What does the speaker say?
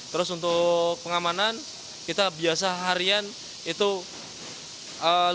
terus untuk pengamanan kita biasa harian itu delapan puluh tujuh personil